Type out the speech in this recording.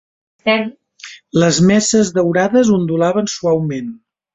Les messes daurades ondulaven suaument.